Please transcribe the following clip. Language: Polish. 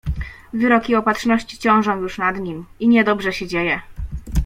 Wyroki Opatrzności ciążą już nad nim… i niedobrze się dzieje.